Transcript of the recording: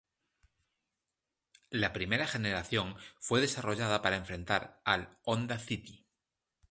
La primera generación fue desarrollada para enfrentar al Honda City.